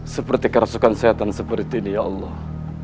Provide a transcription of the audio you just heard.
seperti kerasukan sehatan seperti ini ya allah